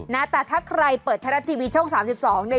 นะแต่ถ้าใครเปิดไทยรัฐทีวีช่อง๓๒เนี่ย